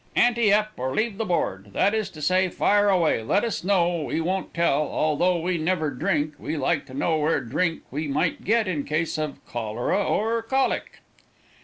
"Ante up or leave the board; that is to say fire away, let us know, we won't tell. Although we never drink, we like to know where drink we might get, in case of cholera, or colic."